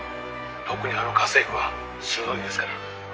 「特にあの家政婦は鋭いですから」